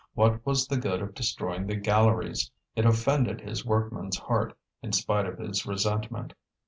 What was the good of destroying the galleries? It offended his workman's heart, in spite of his resentment.